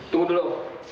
tunggu dulu om